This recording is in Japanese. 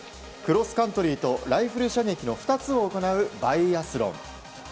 クロスカントリーとライフル射撃の２つを行うバイアスロン。